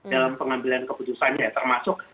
dalam pengambilan keputusannya ya termasuk